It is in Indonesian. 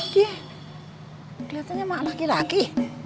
keliatannya sama laki laki